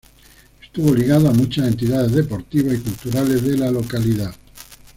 Estuvo ligado a muchas entidades deportivas y culturales de la localidad.